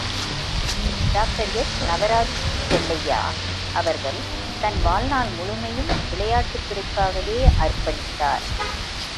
டாக்டர்.எஸ்.நவராஜ் செல்லையா அவர்கள் தன் வாழ்நாள் முழுமையும் விளையாட்டுத் துறைக்காகவே அர்ப்பணித்தார்.